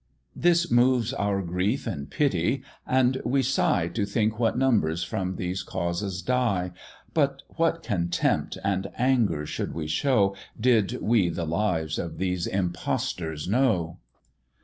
This moves our grief and pity, and we sigh To think what numbers from these causes die; But what contempt and anger should we show, Did we the lives of these impostors know!